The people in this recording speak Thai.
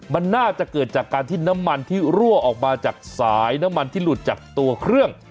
มันน่าจะเกิดจากการที่น้ำมันที่รั่วออกมาจากสายน้ำมันที่หลุดจากตัวเครื่อง